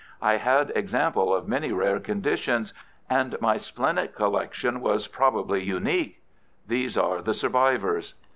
I had examples of many rare conditions, and my splenic collection was probably unique. These are the survivors."